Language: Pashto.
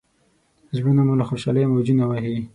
زړونه مو له خوشالۍ موجونه وهي.